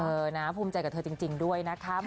เออนะภูมิใจกับเธอจริงด้วยนะครับ